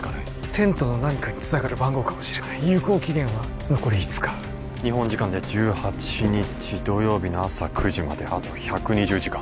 テントの何かにつながる番号かもしれない有効期限は残り５日日本時間で１８日土曜日の朝９時まであと１２０時間